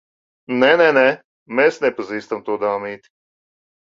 Nē, nē, nē. Mēs nepazīstam to dāmīti.